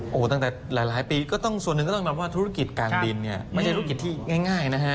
โอ้โหตั้งแต่หลายปีก็ต้องส่วนหนึ่งก็ต้องนับว่าธุรกิจการบินเนี่ยไม่ใช่ธุรกิจที่ง่ายนะฮะ